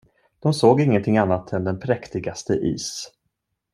De såg ingenting annat än den präktigaste is.